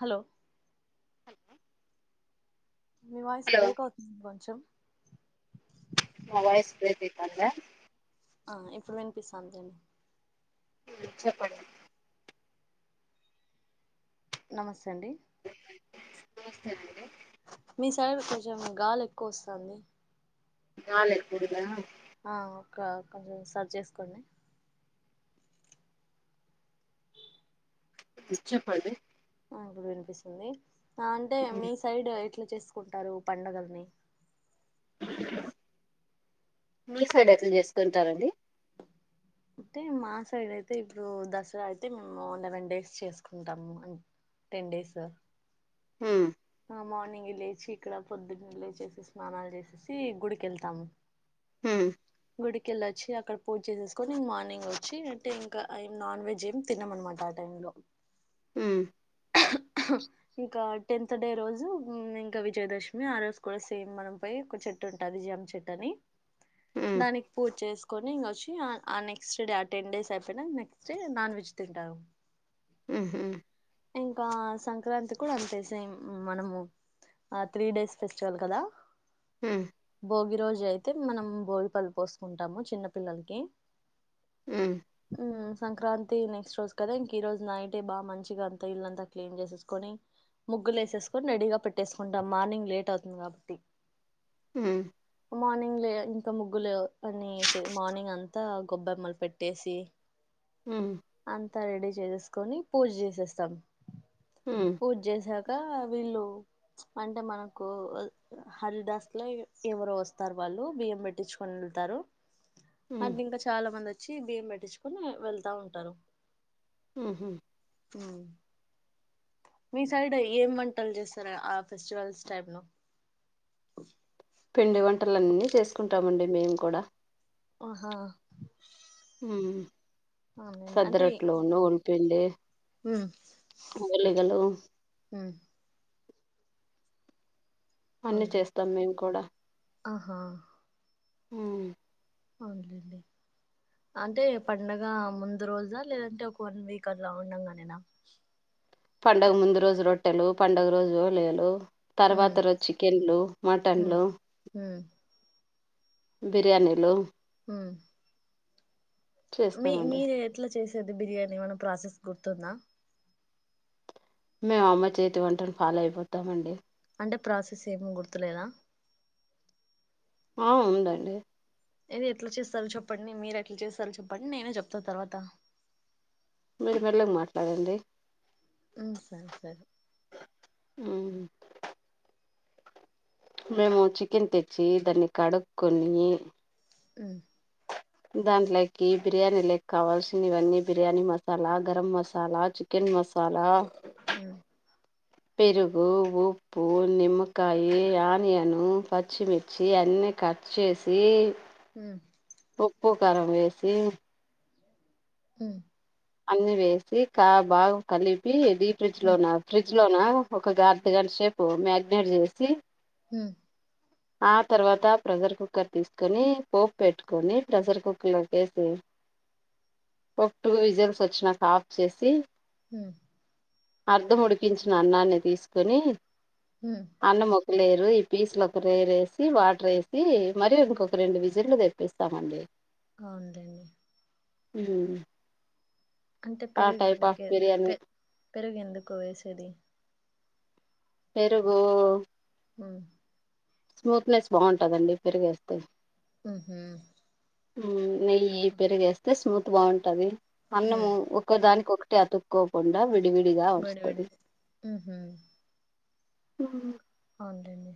Hello మీ voice hello break అవుతుంది కొంచెం నా వాయిస్ బ్రేక్ అయితందా ఆ ఇప్పుడు వినిపిస్తాంది తీయన్ చెప్పండి నమస్తే అండి నమస్తే అండి మీ సైడ్ కొంచెం గాలి ఎక్కువ వస్తది నాలెక్కువుందా ఆ ఒక కొంచెం సరి చేసుకోండి చెప్పండి ఆ ఇప్పుడు వినిపిస్తుంది ఆ అంటే మీ సైడ్ ఎట్లా చేసుకుంటారు పండుగలని మీ సైడ్ ఎట్ల చేసుకుంటారండి అంటే మా సైడ్ అయితే ఇప్పుడు దసరా అయితే మేము లెవెన్ డేస్ చేసుకుంటాము అం టెన్ డేస్ హుమ్ మార్నింగ్ లేచి ఇక్కడ పొద్దున్న లేచేసి స్నాలు చేసేసి గుడికెళ్తాము హు మ్ కెళ్ళొచ్చి అక్కడ పూజ చేసేసుకొని మార్నింగ్ వచ్చి అంటే ఇంకా ఏం నాన్ వెజ్ ఏమి తినమన్నమాట ఆ టైమ్ లో లో హు మ్ ఇంకా టెన్త్ త్ డే రోజు ఇంకా విజయదశమి ఆ రోజు కూడా సేమ్ మనం పోయి ఒక చెట్టు ఉంటది జామ్మి చెట్టని హ్మ్ దానికి పూజ చేసుకొని ఇంగోచ్చి ఆ నెక్స్ట్ డే ఆ టెన్ డేస్ అయిపోయిన నెక్స్ట్ డే నాన్ వెజ్ తింటాం మ్ హు ఇంకా సంక్రాంతి కూడా అంతే సేమ్ మనము ఆ త్రీ డేస్ ఫెస్టివల్ కదా? ఉమ్ భోగి రోజు అయితే మనం భోగిపళ్ళు పోసుకుంటాము చిన్న పిల్లలకి ఉమ్ హుమ్ సంక్రాంతి నెక్స్ట్ రోజు కదా ఇంక ఈ రోజు నైట్ ఎ బా మంచిగా అం ఇల్లంతా క్లీన్ చేసేసుకొని ముగ్గులు వేసేసుకొని రెడీగా పెట్టేసుకుంటాం మార్నింగ్ లేట్ అవుతుంది కాబట్టి హ్మ్ మార్నింగ్ లే ఇంకా ముగ్గులు అన్ని ఎసి మార్నింగ్ అంతా గొబ్బెమ్మలు పెట్టేసి హ్మ్ అంతా రెడీ చేసేసుకొని పూజ చేసేస్తాం హ్మ్ పూజేసాక వీళ్లు అంటే మనకు ఉ హరిదాస్ లో ఎవరో వస్తారు వాళ్ళు బియ్యం పెట్టించు వెళ్తరు హ్మ్ అంటే ఇంకా చాలా మంది అచ్చి బియ్యం పెట్టించుకోని వెళ్తా ఉంటరు ఉహు ఉమ్ మీ సైడ్ ఏం వంటలు చేస్తరు ఆ ఫెస్టివల్స్ టైమ్ లో గ పిండి వంటలన్నీ చేసుకుంటామండి మేము కూడా ఆహా అవునండి అంటే సద్రోట్లోనూ ఉల్పిండి ఉమ్ మొబైల్ లో ఇది ఉండవు ఉమ్ అన్ని అవునులే చేస్తాం మేము కూడా ఆహా ఉమ్ అవున్లెండి అంటే పండగ ముందు రోజా లేదంటే ఒక వన్ వీక్ అట్లా ఉండంగానేనా పండుగ ముందు రోజు రొట్టెలు పండుగ రోజు ఓలేలు తర్వాత ఉమ్ రోజు చికెన్లు ఉమ్ మటన్లు ఉమ్ బిర్యానీలు ఉమ్ మీ చేస్తామండి మీరు ఎట్లా చేసేది బిర్యానీ ఎమన్న ప్రాసెస్ గుర్తుందా? మేము అమ్మ చేతి వంటలు ఫాలో అయిపోతామండి. అంటె ప్రాసెస్ ఏమ్ గుర్తులేద ఆ ఉందండి ఏది ఎట్లా చేస్తారో చెప్పండి మీరు ఎట్లా చేస్తారోచెప్పండి నేనే చెప్తా తర్వాత మీరు మెల్లగా మాట్లాడండి ఉమ్ సరె సరె ఉమ్మ్ మేము చికెన్ తెచ్చి దాన్ని కడుక్కొని ఉమ్ దాంట్లకీ బిర్యానీలక్ కావాల్సిన ఇవన్నీ బిర్యానీ మసాలా గరం మసాలా చికెన్ మసాలా ఉమ్ పెరుగు, ఉప్పు, నిమ్మకాయి, ఆనియను, పచ్చిమిర్చి, అన్ అన్ని కట్ చేసి హూమ్ ఉప్పు కారం వేసి ఉమ్ అన్ని వేసి కా బాగు కలిపి ఢీ ఫ్రిడ్జ్ ఉమ్ లోన ఫ్రిజ్ ఇందులోనా ఒక అర్ధగంట శెపు మ్యాగ్నేట్ చేసి ఉమ్ ఆ తర్వాత ప్రెజర్ కుక్కర్ తీసుకొని పోపు పెట్టుకొని ప్రెజర్ కుక్కర్ లో కేసి ఒక టూ విజల్స్ వచ్చినాక ఆఫ్ చేసి ఉమ్ అర్ధం ఉడికించిన అన్నాన్ని తీసుకొని హ్మ్ అన్నం మొ లేదు ఈపీసులోక్కదగ్గరేసి వాటరేసి మరీ ఇంకొక రెండు విజిల్లు తెప్పిస్తామండి క ఉండండి ఉమ్ అంటే ఆ టైప్ ఆఫ్ పెరిగేందుకే బిర్యానీ పె పెరుగెందుకు వేసేది? పెరుగూ అ స్మూత్నెస్ బావుంటదండి పెరిగేస్తే ఉహు ఉమ్ నెయ్యి, పెరిగేస్తే స్మూత్ బావుంటది. అన్నము హ్మ్ ఒక దానికి ఒక అంటే అతుక్కోకుండా విడివిడిగా వేడి వేడి వస్తది. ఉహు ఉ ఉండండి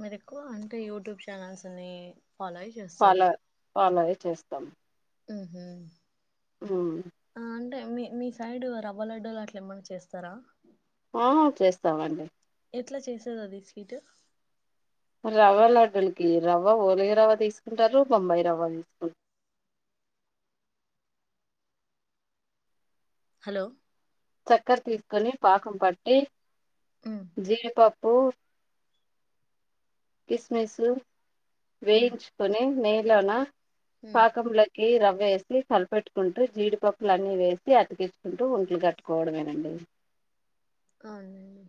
మీరు ఎక్కువ అంటే యూట్యూబ్ ఛానెల్స్ ని ఫాలో అయ్యి చేస్తారు. ఫాలో ఫాలో అయి చేస్తాం ఉహు ఆ మ్ అంటే మీ మీ సైడ్ రవ్వ లడ్డూలు అట్లా ఏమన్నా చేస్తారా? ఆ చేస్తామండి. ఎట్లా చేసేది అది స్వీట్? రవ్వ లడ్డులుకి రవ్వ ఓలిగ రవ్వ తీసుకుంటారు. బొంబయి రవ్వ తీసుకు హలో చెక్కర తీసుకొని పాకం పట్టి హ్మ్ జీడిపప్పు కిస్మిసు హ్మ్ వేయించుకొని నెయ్యిలోన హ్మ్ పాకములకి రవ్ వేసి కలిపెట్టుకుంటూ జీడిపప్పులన్నీ వేసి అతికిచ్చుకుంటూ ఉంట్లు కట్టుకోవడంమేనండి. అవునండి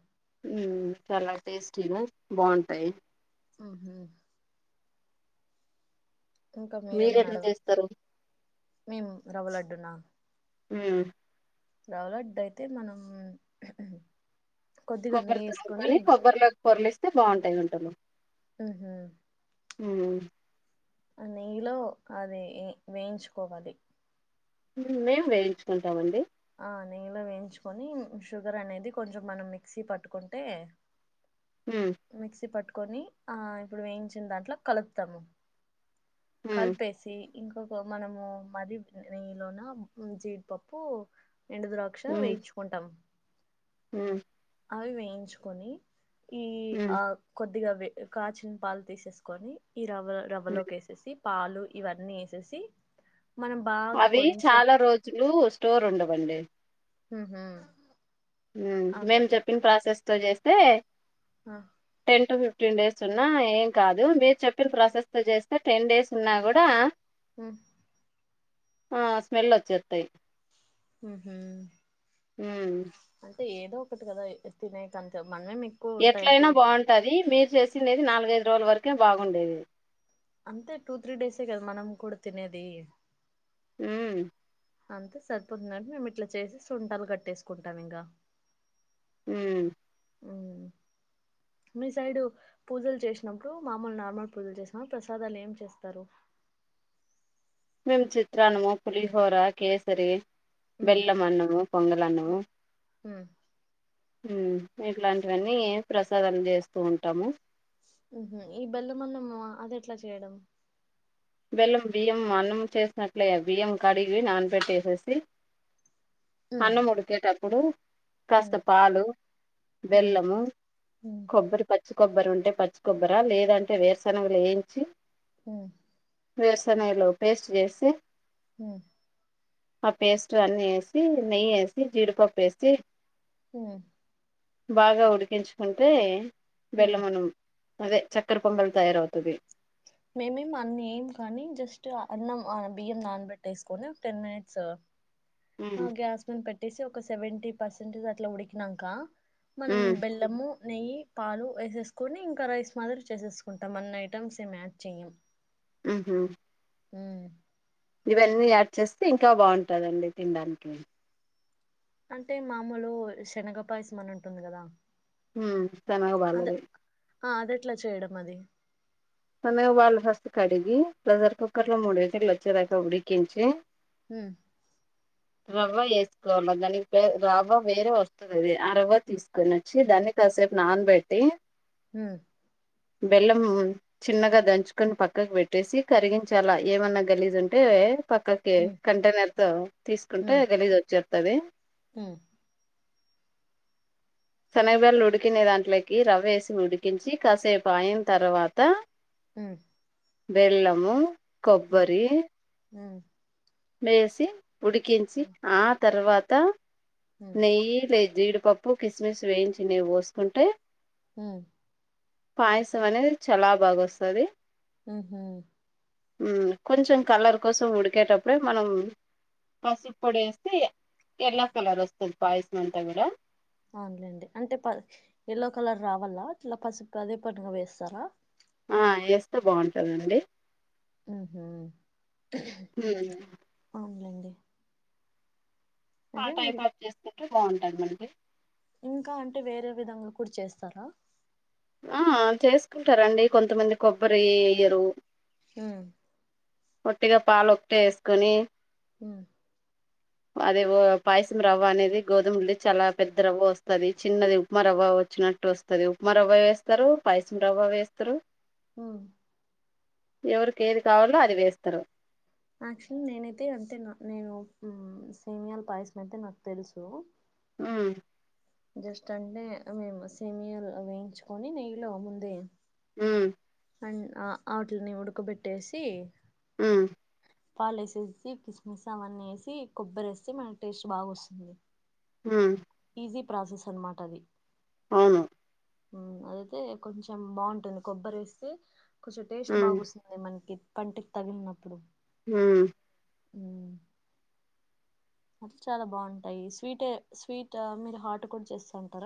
ఉమ్ చాలా టేస్టీగా బావుంటాయి. ఆహా ఇంకా మీరు మీరేమన్నా ఎట్లా అడగ చేస్తారు మేము రవ్వలడ్డునా మ్ రవ్వలడ్డయితే మనం హుహమ్ కొబ్బరి తురుముకొని కొబ్బరిలో పొరలిస్తే బావుంటాయి ఉండలు. ఉహు ఉమ్ నెయ్యిలో అది వేయించుకోవాలి. మేము వేయించుకుంటామండి. ఆ నెయ్యలో వేయించుకొని షుగర్ అనేది కొంచెం మనం మిక్సీ పట్టుకుంటే ఉమ్ మిక్సీ పట్టుకొని ఆ ఇప్పుడు వేయించిందాంట్లో కలుపుతాము. ఉమ్ కల్పేసి ఇంకొక మనము మది నెయ్యిలోన జీడిపప్పు ఎండు ద్రాక్ష వేయించుకుంటాం. మ్ అవి వేయించుకొని ఈ ఉమ్ ఆ కొన్ కొద్దిగా వే కాచిన పాలు తీసేసుకొని ఈ రవ్వ ఉమ్ రవ్వలోకేసేసి పాలు ఇవన్నీ ఏసేసి అవి చాలా రోజులు స్టోర్ ఉండవండి ఉహు మ్ మేము అవునండి చెప్పిన ప్రాసెస్ తో చేస్తే అహ్ ట్వంటీ టు ఫిఫ్టీన్ డేస్ ఉన్నా ఏం కాదు మీరు చెప్పిన ప్రాసెస్ తో చేస్తే టెన్ డేస్ ఉన్నా కూడా మ్ ఆ స్మెల్ ఒచ్చేత్తయ్ మ్ హుమ్ హు మ్ అంటే ఏదో ఒకటి కదా ఎ తినే తినే కంచం ఎట్లయినా బాగుంటుది మీరు చేసినేది నాలుగైదు రోజుల వరకే బాగుండేది అంతే టూ త్రీ డేసే కదా మనం కూడా తినేది హు మ్ అంతే సరిపోతుందని మేము ఇట్లా చేసి సుంటాలు కట్టేసుకుంటాం ఇంకా హు మ్ అవును మీ సైడు పూజలు చేసినప్పుడు మామూలు నార్మల్ పూజలు చేసిన ప్రసాదాలు ఏం చేస్తారు మేమ్ చిత్రాన్నము పులిహోర కేసరి ఉమ్ బెల్లం అన్నము పొంగల్ అన్నము ఉమ్ హు ఇట్లాంటివన్నీ ప్రసాదం చేస్తూ ఉంటాము మ్హు ఈ బెల్లం అన్నం అది ఎట్లా చేయడం బెల్లం బియ్యం అన్నం చేసినట్లే బియ్యం కడిగి నానపెట్టేసేసి ఉమ్ అన్నం ఉడికేటప్పుడు ఉమ్ కాస్త పాలు ఉమ్ బెల్లము ఉమ్ కొబ్బరి పచ్చి కొబ్బరి ఉంటే పచ్చి కొబ్బరా లేదంటే వేరుశనగలు వేయించి మ్ వేరుశెనగలు పేస్ట్ చేసి హు మ్ ఆ పేస్ట్ అన్ని ఎసి నెయ్యి ఎసి జీడిపప్పు ఏసి హు మ్ బాగా ఉడికించుకుంటే ఉమ్ బెల్లం అన్నం అదే చక్కర పొంగలు తయారవుతది మేమేం అన్నీ ఏయం కానీ జస్ట్ అన్నం అ బియ్యం నానబెట్టేసుకుని ఒక టెన్ మినిట్స్ ఆ ఉమ్ గ్యాస్ మీన పెట్టేసి ఒక సెవెంటీ పర్సెంటేజ్ అట్లా ఉడికినంకా మనం ఉమ్ బెల్లము నెయ్యి పాలు వేసేసుకొని ఇంకా రైస్ మాదిరి చేసేసుకుంటాం అన్ని ఐటమ్స్ ఏం యాడ్ చేయ్యము మ్ హు మ్ ఇవన్నీ యాడ్ చేస్తే ఇంకా బాగుంటదండి తినడానికి అంటే మామూలు శనగపాయసమని ఉంటుంది కదా హు మ్ శనగ బాళ్ళది ఆ అదెట్లా చేయడం అది శనగ బాళ్ళు ఫస్ట్ కడిగి ప్రెషర్ కుక్కర్ లో మూడు విజిల్లు వచ్చేదాకా ఉడికించి మ్ రవ్వ వేసుకోవాలి దానికి ప్ రవ్వ వేరే వస్తదది ఆ రవ్వ తీసుకొని వచ్చి దానికి కాసేప్ నాన బెట్టి హు మ్ బెల్లమ్. చిన్నగా దంచుకొన్ పక్కక్ పెట్టేసి కరిగించాలా ఏమన్న గలీజుంటే పక్కకి ఉమ్, కంటైనర్తొ తీస్కుంటే గలీజొచ్చేత్తది. హు మ్ శనగ బెల్లు ఉడికిన దాంట్లకి రవ్వ వేసి ఉడికించి కాసేపు ఐన తర్వాత హు మ్ బెల్లము కొబ్బరీ. ఉమ్. మేసి ఉడికించి ఆ తర్వాత ఉమ్, నెయ్యి లే జీడిపప్పు కిస్మిస్ వేయించిన్నేవ్ బోస్కుంటె ఉమ్. పాయసమనేది చలా బాగొస్తది. ఉహూ. ఉమ్ కొంచెం కలర్ కోసం ఉడికేటప్పుడే మనం పసుప్పొడేస్తే ఇగ ఎల్లో కలరొస్తది పాయ్మసంతా గుడా. ఔన్లేండి అంటె పల్ యల్లో కలర్ రావాల్లా అట్ల పసుప్ అదే పనిగా వేస్తారా. ఆ ఏస్తె బాగుంటదండి. ఉహు ఉమ్ ఔన్లేండి. ఆ టైపాఫ్ చేస్కుంటె బాగుంటదండి. ఇంకా అంటె వేరే విధంగ కూడ్ చేస్తార. ఆ చేస్కుంటరండి కొంతమంది కొబ్బరీ ఎయ్యరు. ఉమ్. ఒట్టిగా పాలొక్టే యేస్కొని. ఉమ్. అదే వో పాయ్సం రవ్వ అనేది గోధుమల్ది చాలా పెద్ద రవ్వ వస్తది చిన్నది ఉప్మా రవ్వ వచ్చినట్ టు వస్తది ఉప్మా రవ్వ యేస్తరు పాయ్సం రవ్వ వేస్తరు. ఉమ్. ఎవ్రేకేది కావాల్లొ అది వేస్తరు. యాక్చువల్లీ నేనైతె అంతెనూ నేను ఉమ్ సేమ్యాల్ పాయ్సమైతె నాక్ తెల్సూ. ఉమ్. జస్ట్ అంటే మేము సేమ్యాలు అవేయించుకొని నెయ్లో ముందే ఉమ్. అండ్ ఆ ఆట్ల్ని ఉడకబెట్టేసి ఉమ్. పాలేసేస్సి కిస్మిస్ అవన్నీ ఏసీ కొబ్బరేస్తె మనక్ టేస్ట్ బాగొస్తుంది. ఉమ్. ఈజీ ప్రాసెస్ అన్మాటది. ఔను. ఉమ్ అదైతె కొంచం బాంటుంది కొబ్బరి వెస్తె కొంచెం టేస్ట్ ఉమ్ బాగొస్తుంది మన్కి. పంటిక్ తగిల్నప్పుడు. ఊమ్. ఊమ్. అట్ల చాలా బాంటాయి స్వీటె స్వీట్ ఆ మీరు హాట్ కూడ్ చేస్తాంటార.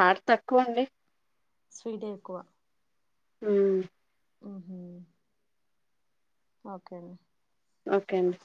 హాట్ తక్కువండి. స్వీటే ఎక్కువ. ఊమ్. ఊహూ. ఓకేండి. ఒకే అండి.